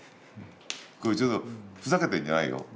これちょっとふざけてるんじゃないよ。